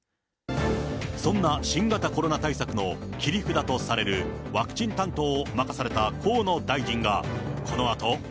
そんな新型コロナ対策の切り札とされるワクチン担当を任された河